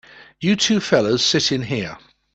You two fellas sit in here.